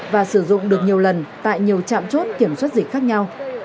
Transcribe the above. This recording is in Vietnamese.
và sử dụng được nhiều lần tại nhiều trạm chốt kiểm soát dịch khác nhau